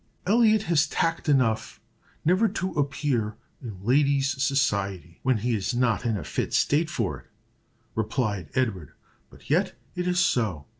"Elliot has tact enough never to appear in ladies' society when he is not in a fit state for it," replied Edward; "but yet it is so."